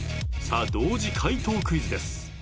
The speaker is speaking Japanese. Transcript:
さあ同時解答クイズです。